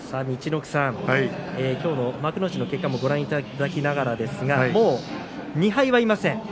陸奥さん、きょうの幕内の結果もご覧いただきながらですが２敗はもういません。